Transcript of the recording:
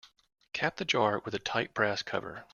Cap the jar with a tight brass cover.